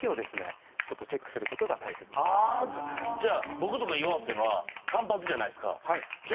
僕とか岩尾っていうのは短髪じゃないっすか。